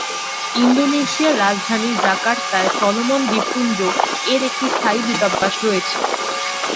ইন্দোনেশিয়ার রাজধানী জাকার্তায় সলোমন দ্বীপপুঞ্জ এর একটি স্থায়ী দূতাবাস রয়েছে।